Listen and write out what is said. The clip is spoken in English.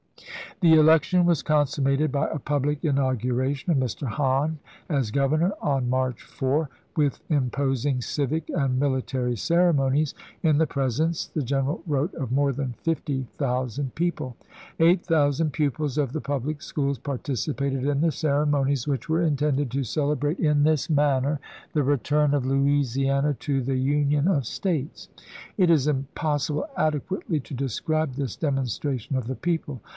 The election was consummated by a public inauguration of Mr. Hahn as governor on March 4, with imposing civic and military ceremonies, " in the presence," the general wrote, " of more than fifty thousand people. Eight thousand pupils of the public schools participated in the ceremonies, which were intended to celebrate in this manner the return of Louisiana to the Union of States. It is impos sible adequately to describe this demonstration of the people.